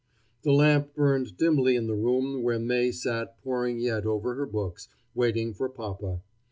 The lamp burned dimly in the room where May sat poring yet over her books, waiting for papa.